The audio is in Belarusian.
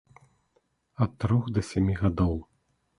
Ад трох да сямі гадоў.